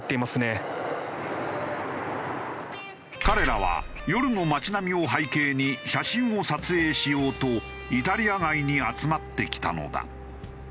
彼らは夜の街並みを背景に写真を撮影しようとイタリア街に集まってきたのだ。